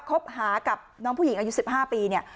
คบหากับน้องผู้หญิงอายุ๑๕ปีเนี่ย